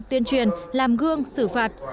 tuyên truyền làm gương xử phạt